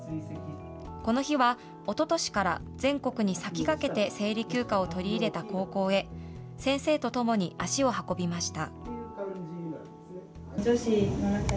この日は、おととしから全国に先駆けて生理休暇を取り入れた高校へ、先生と共に足を運びました。